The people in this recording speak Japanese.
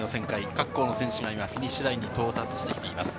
各校の選手が今フィニッシュラインに到達してきています。